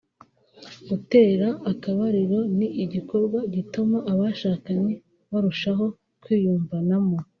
Gutera akabariro ni igikorwa gituma abashakanye barushaho kwiyumvanamo